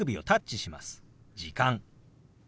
「時間」。